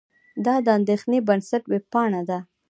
دا د اندېښې بنسټ وېبپاڼه ده.